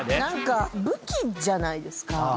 武器じゃないですか。